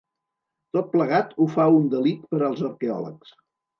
Tot plegat ho fa un delit per als arqueòlegs.